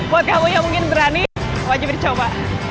buat kamu yang mungkin berani wajib dicoba